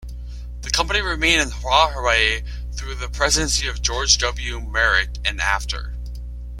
The company remained in Rahway through the presidency of George W. Merck and after.